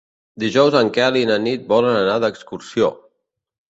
Dijous en Quel i na Nit volen anar d'excursió.